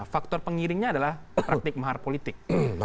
faktor pengiringnya adalah praktik mahar politik